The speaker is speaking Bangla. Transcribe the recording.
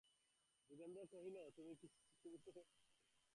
যোগেন্দ্র কহিল, তুমি তো বলিলে কর্তব্য, উপায়টা কী শুনি।